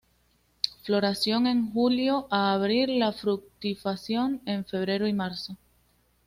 Floración en julio a abril, la fructificación en febrero y marzo.